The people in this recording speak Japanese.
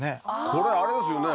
これあれですよね